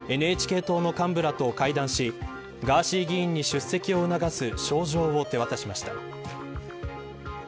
昨日、参議院の尾辻議長はＮＨＫ党の幹部らと会談しガーシー議員に出席を促す招状を手渡しました。